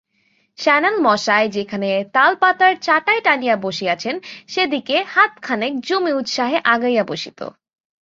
সান্যাল মশায় যেখানে তালপাতার চাটাই টানিয়া বসিয়াছেন সেদিকে হাতখানেক জমি উৎসাহে আগাইয়া বসিত।